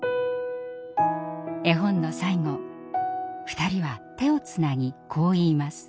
絵本の最後２人は手をつなぎこう言います。